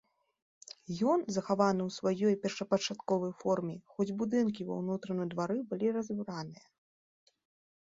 Ён захаваны ў сваёй першапачатковай форме, хоць будынкі ва ўнутраным двары былі разабраныя.